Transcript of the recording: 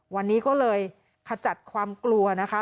วันนี้ก็เลยขจัดความกลัวนะคะ